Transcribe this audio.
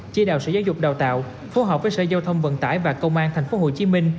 chia đào sở giáo dục đào tạo phù hợp với sở giao thông vận tải và công an tp hcm